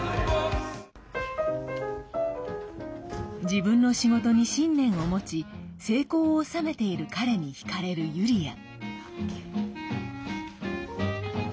自分の仕事に信念を持ち成功を収めている彼にひかれるユリア。